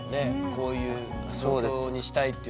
こういう状況にしたいっていうのは。